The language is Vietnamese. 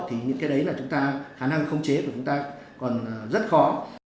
thì những cái đấy là chúng ta khả năng không chế của chúng ta còn rất khó